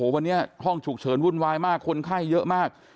วันนี้ห้องฉุกเฉินวุ่นวายมากคนไข้เยอะมาก